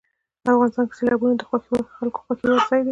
افغانستان کې سیلابونه د خلکو د خوښې وړ ځای دی.